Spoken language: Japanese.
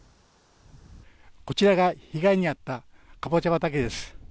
こちらが、被害に遭ったカボチャ畑です。